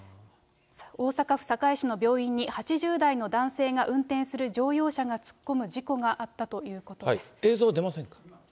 大阪府堺市の病院に、８０代の男性が運転する乗用車が突っ込む事故があったということ映像出ません？